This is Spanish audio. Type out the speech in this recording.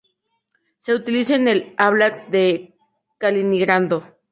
Se utiliza en el Óblast de Kaliningrado.